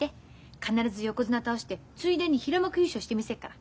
必ず横綱倒してついでに平幕優勝して見せっから。